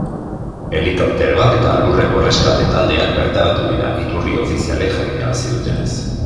Helikopteroak eta lurreko erreskate taldeak bertaratu dira, iturri ofizialek jakinarazi dutenez.